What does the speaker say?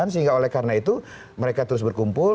sehingga oleh karena itu mereka terus berkumpul